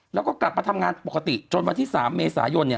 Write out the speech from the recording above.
แล้วก็กลับมาทำงานปกติจนวันที่๓เมษายนเนี่ย